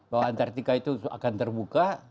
bahwa antartika itu akan terbuka